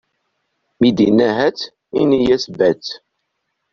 Mi d-inna ḥatt, ini-as batt.